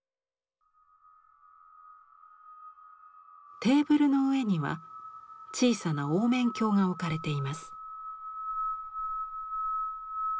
テーブルの上には小さな凹面鏡が置かれています。